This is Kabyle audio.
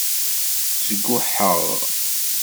Sguḥeɣ.